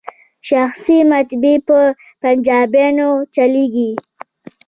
شخصي مطبعې په پنجابیانو چلیږي.